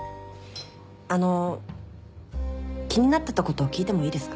あの気になってたこと聞いてもいいですか？